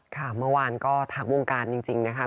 ค่ะเมื่อวานก็ทักวงการจริงนะคะ